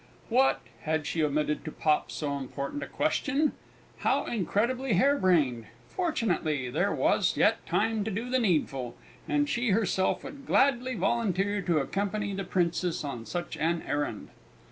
What, had she omitted to pop so important a question? How incredibly harebrained! Fortunately, there was yet time to do the needful, and she herself would gladly volunteer to accompany the Princess on such an errand.